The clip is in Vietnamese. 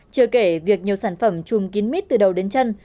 chưa kể việc nhiều sản phẩm chùm kín mít từ đầu đến chân